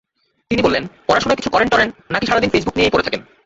তিনি বললেন, পড়াশোনা কিছু করেন-টরেন নাকি সারা দিন ফেসবুক নিয়ে পড়ে থাকেন।